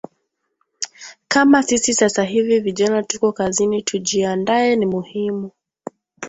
kama sisi sasa hivi vijana tuko kazini tujiaandae ni muhimu